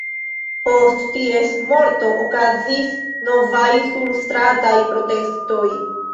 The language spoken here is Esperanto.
Post ties morto okazis novaj surstrataj protestoj.